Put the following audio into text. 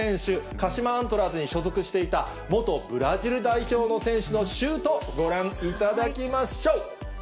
鹿島アントラーズに所属していた元ブラジル代表の選手のシュート、ご覧いただきましょう。